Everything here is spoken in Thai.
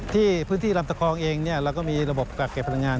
ที่พื้นที่ลำตะคองเองเราก็มีระบบกักเก็บพลังงาน